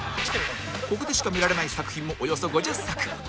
ここでしか見られない作品もおよそ５０作